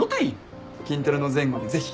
筋トレの前後にぜひ。